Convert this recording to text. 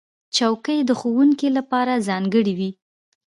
چوکۍ د ښوونکو لپاره ځانګړې وي.